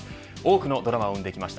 多くのドラマを生んできました